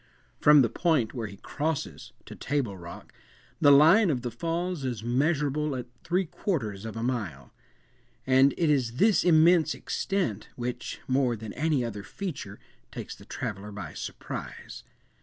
From the point where he crosses, to Table Rock, the line of the Falls is measurable at three quarters of a mile; and it is this immense extent which, more than any other feature, takes the traveller by surprise.